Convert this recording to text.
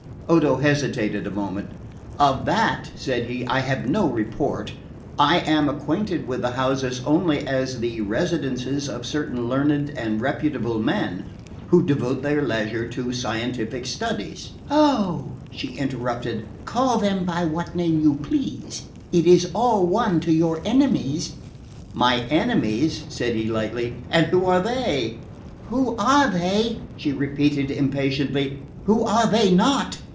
Odo hesitated a moment. "Of that," said he, "I have no report. I am acquainted with the houses only as the residences of certain learned and reputable men, who devote their leisure to scientific studies." "Oh," she interrupted, "call them by what name you please! It is all one to your enemies." "My enemies?" said he lightly. "And who are they?" "Who are they?" she repeated impatiently. "Who are they not?